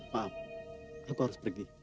maaf aku harus pergi